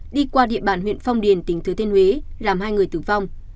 đi qua địa bàn huyện phong điền tỉnh thứ thiên huế làm hai người tử vong